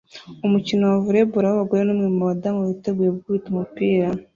Umukino wa volley ball wabagore numwe mubadamu biteguye gukubita umupira